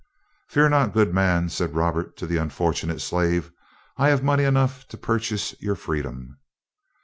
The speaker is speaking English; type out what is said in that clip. "Fear not, good man," said Robert to the unfortunate slave. "I have money enough to purchase your freedom."